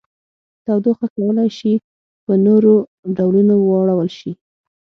تودوخه کولی شي په نورو ډولونو واړول شي.